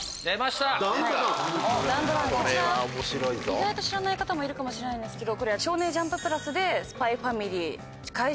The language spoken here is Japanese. こちら意外と知らない方もいるかもしれないんですけど。